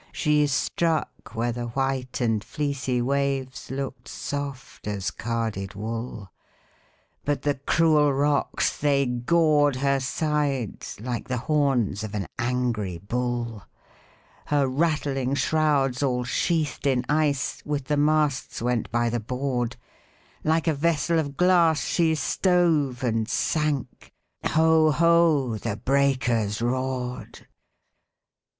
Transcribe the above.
She struck where the white and fleecy waves Look'd soft as carded wool, But the cruel rocks, they gored her sides Like the horns of an angry bull. Her rattling shrouds, all sheathed in ice, With the masts went by the board; Like a vessel of glass, she stove and sank, Ho! ho! the breakers roared!